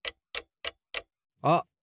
あっ！